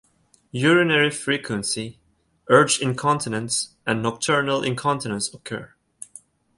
Urinary frequency, urge incontinence and nocturnal incontinence occur.